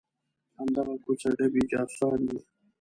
همدغه کوڅې ډبي جاسوسان دي.